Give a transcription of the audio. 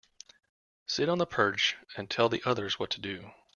Sit on the perch and tell the others what to do.